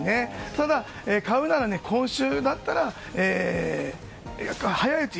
ただ、買うなら今週だったら早いうち。